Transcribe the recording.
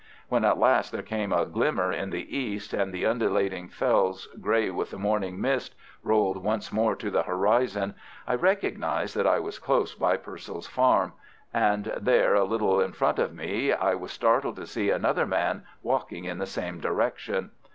When at last there came a glimmer in the east, and the undulating fells, grey with the morning mist, rolled once more to the horizon, I recognized that I was close by Purcell's farm, and there a little in front of me I was startled to see another man walking in the same direction.